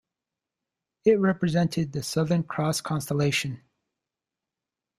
It represented the Southern Cross constellation.